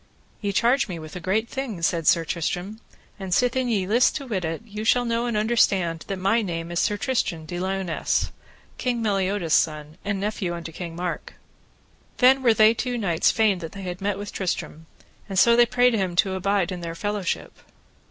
Ye charge me with a great thing, said Sir Tristram, and sithen ye list to wit it, ye shall know and understand that my name is Sir Tristram de Liones, King Meliodas' son, and nephew unto King Mark. Then were they two knights fain that they had met with Tristram, and so they prayed him to abide in their fellowship.